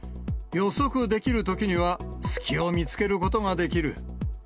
予測できるときには、隙を見つけることができる。